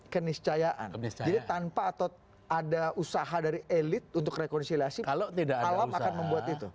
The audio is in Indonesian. keniscayaan jadi tanpa atau ada usaha dari elit untuk rekonsiliasi alam akan membuat itu